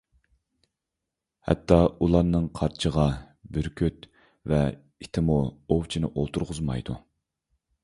ھەتتا ئۇلارنىڭ قارچىغا، بۈركۈت ۋە ئىتىمۇ ئوۋچىنى ئولتۇرغۇزمايدۇ.